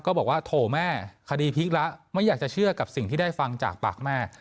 ก็บอกว่าโถแม่คดีพลิกแล้วไม่อยากจะเชื่อกับสิ่งที่ได้ฟังจากปากแม่